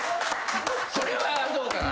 それはどうかな。